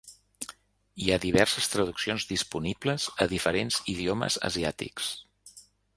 Hi ha diverses traduccions disponibles a diferents idiomes asiàtics.